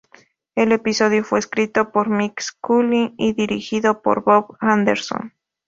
El episodio fue escrito por Mike Scully y dirigido por Bob Anderson.